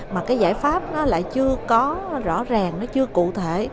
mà cái giải pháp nó lại chưa có rõ ràng nó chưa cụ thể